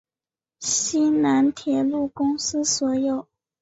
西南铁路公司所有。